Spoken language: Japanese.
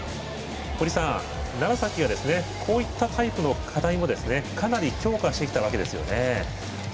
楢崎はこういったタイプの課題もかなり強化してきたわけですよね。